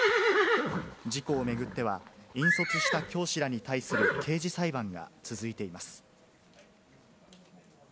事故を巡っては、引率した教師らに対する刑事裁判が続いています。